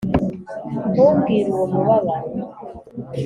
ntumbwire, uwo mubabaro,